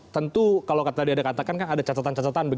tentu kalau tadi ada katakan kan ada catatan catatan